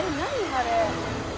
あれ。